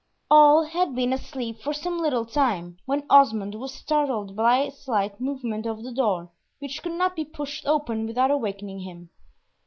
All had been asleep for some little time, when Osmond was startled by a slight movement of the door, which could not be pushed open without awakening him.